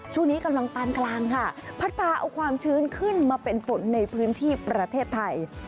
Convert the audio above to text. ช่วงนี้กำลังปานกลางค่ะพัดพาเอาความชื้นขึ้นมาเป็นฝนในพื้นที่ประเทศไทย